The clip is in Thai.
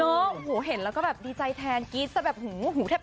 โอ้โหเห็นแล้วก็ดีใจแทนกิ๊ดแต่แบบหูหูแทบแตก